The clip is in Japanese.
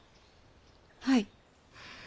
はい。